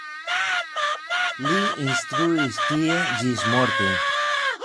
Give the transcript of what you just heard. Li instruis tie ĝismorte.